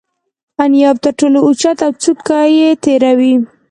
انیاب تر ټولو اوچت او څوکه یې تیره وي.